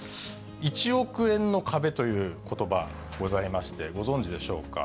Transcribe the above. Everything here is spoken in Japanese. １億円の壁ということば、ございまして、ご存じでしょうか。